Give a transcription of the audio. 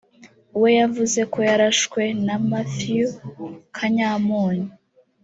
we yavuze ko yarashwe na Mathew Kanyamunyu